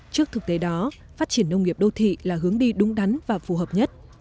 trước thực tế đó phát triển nông nghiệp đô thị là hướng đi đúng đắn và phù hợp nhất